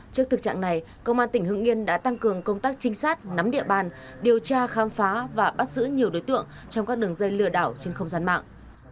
trước thực trạng này công an tỉnh hưng yên đã tăng cường công tác trinh sát nắm địa bàn điều tra khám phá và bắt giữ nhiều đối tượng trong các đường dây lừa đảo trên không gian mạng